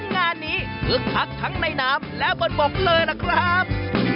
งานนี้คือทักทั้งในนามและบนบบเลยนะครับ